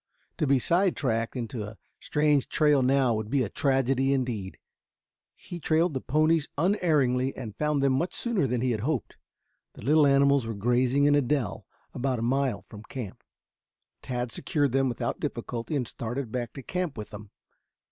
To be side tracked into a strange trail now would be a tragedy, indeed. He trailed the ponies unerringly, and found them much sooner than he had hoped. The little animals were grazing in a dell about a mile from camp. Tad secured them without difficulty and started back to camp with them.